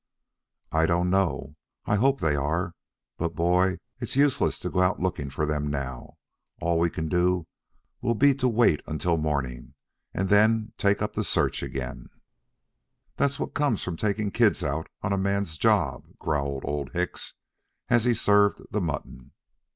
"I don't know. I hope they are. But, boy, it's useless to go out looking for them now. All we can do will be to wait until morning, then take up the search again" "That's what comes from taking kids out on a man's job," growled Old Hicks, as he served the mutton.